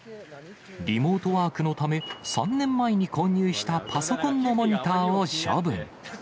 リモートワークのため、３年前に購入したパソコンのモニターを処分。